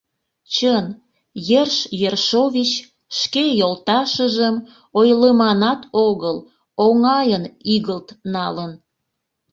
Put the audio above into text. Чын, Ерш Ершович шке йолташыжым, ойлыманат огыл, оҥайын игылт налын!